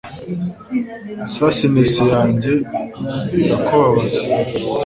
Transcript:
Sassiness yanjye irakubabaza